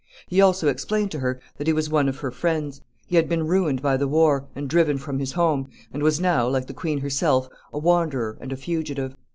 He also explained to her that he was one of her friends. He had been ruined by the war, and driven from his home, and was now, like the queen herself, a wanderer and a fugitive.